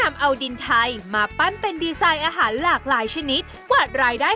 แม่บ้านพารวย